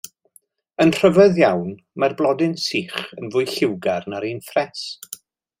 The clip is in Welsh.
Yn rhyfedd iawn, mae'r blodyn sych yn fwy lliwgar nag un ffres!